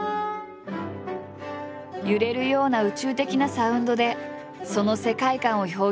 揺れるような宇宙的なサウンドでその世界観を表現した。